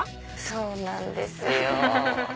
そうなんですよ。